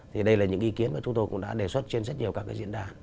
thì đây là những ý kiến mà chúng tôi cũng đã đề xuất trên rất nhiều các cái diễn đàn